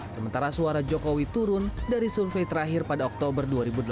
sementara suara jokowi turun dari survei terakhir pada oktober dua ribu delapan belas